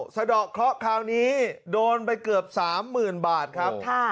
สะดอกเคราะห์คราวนี้โดนไปเกือบสามหมื่นบาทครับค่ะ